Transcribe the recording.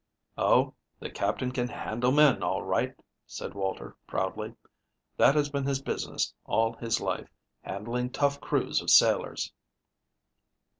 "Oh, the Captain can handle men, all right," said Walter proudly. "That has been his business all his life, handling tough crews of sailors."